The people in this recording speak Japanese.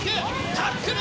タックル！